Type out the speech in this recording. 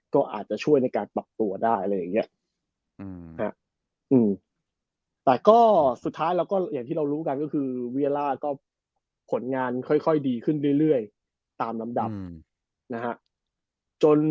ก็อาจจะช่วยในการปรับตัวได้แต่สุดท้ายอย่างที่เรารู้กันก็คือเวียร่าก็ผลงานค่อยดีขึ้นเรื่อยตามลำดับ